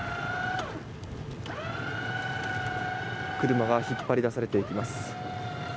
車が引っ張り出されていきます。